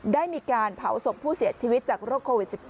ได้มีการเผาศพผู้เสียชีวิตจากโรคโควิด๑๙